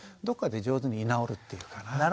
どっかで上手に居直るっていうかな。